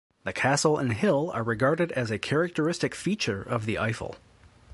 The castle and hill are regarded as a characteristic feature of the Eifel.